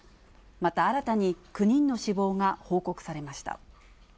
また新たに９人の死亡が報告されました。